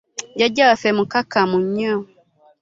Jjajja waffe mukakamu nnyo.